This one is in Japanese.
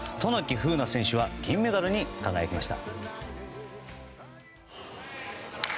風南選手は銀メダルに輝きました。